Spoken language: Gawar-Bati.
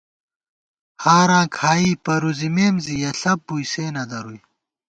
ہاراں کھائی پرُوزِمېم زی ، یَہ ݪپ بُوئی سے نہ درُوئی